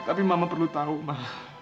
tapi mama perlu tahu mbak